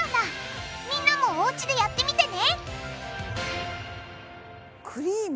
みんなもおうちでやってみてね！